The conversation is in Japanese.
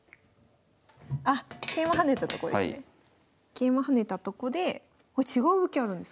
桂馬跳ねたとこでこれ違う動きあるんですか？